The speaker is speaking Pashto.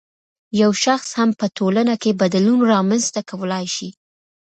یو شخص هم په ټولنه کې بدلون رامنځته کولای شي.